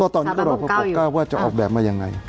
ตอนนี้ก็รอพระปกเก้าว่าจะออกแบบมายังไง